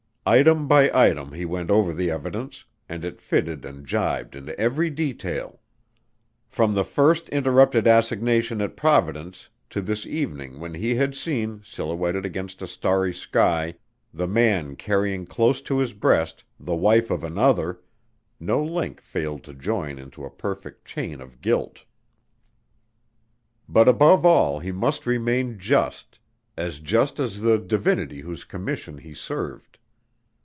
Item by item he went over the evidence, and it fitted and jibed in every detail. From the first interrupted assignation at Providence to this evening when he had seen, silhouetted against a starry sky, the man carrying close to his breast the wife of another, no link failed to join into a perfect chain of guilt. But above all he must remain just as just as the Divinity whose commission he served.